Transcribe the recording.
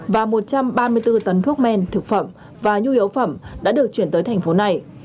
và một trăm ba mươi bốn tấn thuốc men thực phẩm và nhu yếu phẩm đã được chuyển tới thành phố này